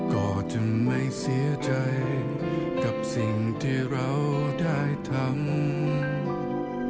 ก็จึงไม่เสียใจกับสิ่งที่เราได้ทำ